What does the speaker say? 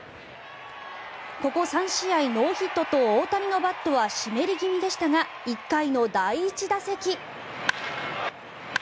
ここ３試合ノーヒットと大谷のバットは湿り気味でしたが１回の第１打席。